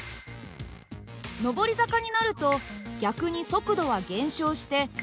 上り坂になると逆に速度は減少してυ−